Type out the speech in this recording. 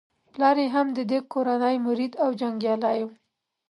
پلار یې هم د دې کورنۍ مرید او جنګیالی وو.